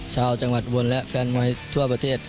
ชาวจังหวัดอุบลและแฟนมวยทั่วประเทศ